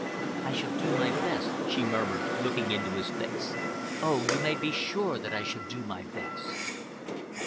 "I shall do my best," she murmured, looking into his face. "Oh, you may be sure that I shall do my best!"